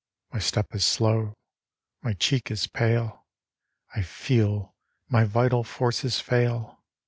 My step is slow ; my cheek is pale ; I feel my vital forces fail.